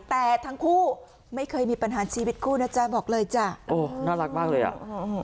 แต่ทั้งคู่ไม่เคยมีปัญหาชีวิตคู่นะจ๊ะบอกเลยจ้ะโอ้น่ารักมากเลยอ่ะ